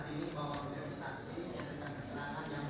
di dalam kaitan berapa kali